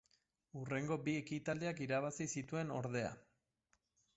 Hurrengo bi ekitaldiak irabazi zituen ordea.